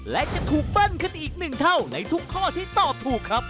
และจะถูกเบิ้ลขึ้นอีกหนึ่งเท่าในทุกข้อที่ตอบถูกครับ